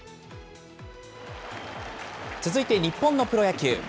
続いて日本のプロ野球。